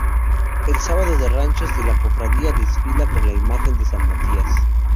El sábado de Ranchos la cofradía desfila con la imagen de san Matías.